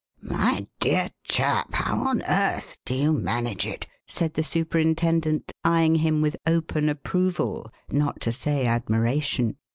"My dear chap, how on earth do you manage it?" said the superintendent, eying him with open approval, not to say admiration.